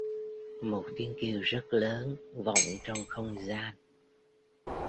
Một tiếng kêu rất lớn vọng trong không gian